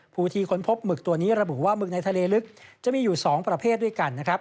ภูทีค้นพบหมึกตัวนี้ระบุว่าหมึกในทะเลลึกจะมีอยู่๒ประเภทด้วยกันนะครับ